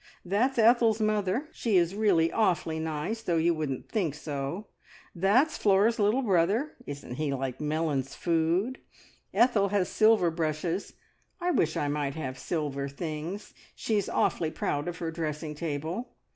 That's Ethel's mother! She is really awfully nice, though you wouldn't think so. That's Flora's little brother. Isn't he like Mellin's Food? Ethel has silver brushes. I wish I might have silver things. She is awfully proud of her dressing table.